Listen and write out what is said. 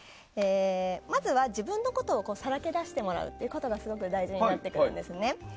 まずは自分のことをさらけ出してもらうことがすごく大事になってくるんです。